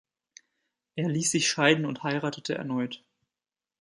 Er ließ sich scheiden und heiratete erneut.